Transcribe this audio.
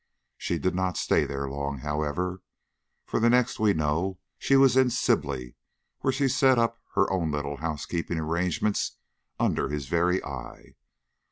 She did not stay there long, however; for the next we know she was in Sibley, where she set up her own little house keeping arrangements under his very eye.